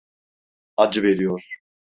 Acı veriyor.